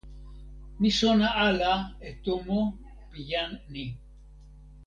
mi sona ala e tomo pi jan ni.